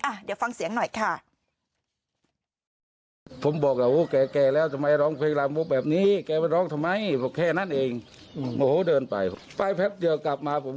เดี๋ยวฟังเสียงหน่อยค่ะ